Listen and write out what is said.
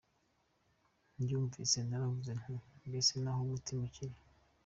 Mbyumvise naravuze nti mbese ni aho umutima ukiri?